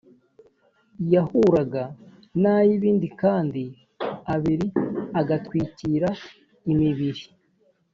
yahuraga n ay ibindi kandi abiri agatwikira imibiri